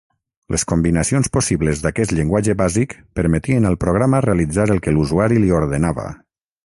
Les combinacions possibles d'aquest llenguatge bàsic permetien al programa realitzar el que l'usuari li ordenava.